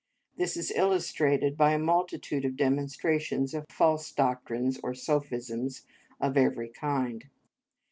This is illustrated by a multitude of demonstrations of false doctrines and sophisms of every kind.